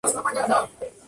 Las semillas lisas.